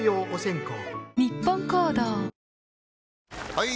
・はい！